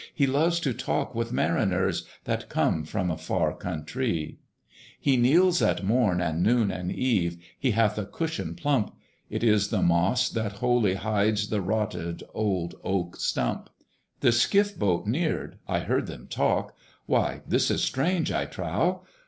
He loves to talk with marineres That come from a far countree. He kneels at morn and noon and eve He hath a cushion plump: It is the moss that wholly hides The rotted old oak stump. The skiff boat neared: I heard them talk, "Why this is strange, I trow!